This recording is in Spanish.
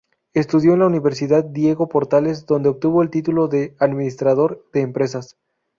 Estudió en la Universidad Diego Portales, donde obtuvo el título de Administrador de Empresas.